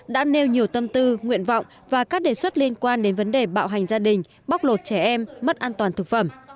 đã nêu nhiều tâm tư nguyện vọng và các đề xuất liên quan đến vấn đề bạo hành gia đình bóc lột trẻ em mất an toàn thực phẩm